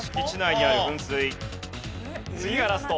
次がラスト。